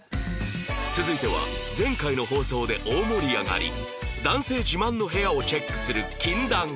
続いては前回の放送で大盛り上がり男性自慢の部屋をチェックする禁断企画